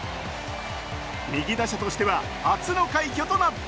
右打者としては初の快挙となった。